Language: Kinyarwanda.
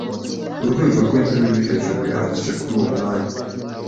Urwego rwe ntiruri hejuru bihagije kuri uwo mwanya.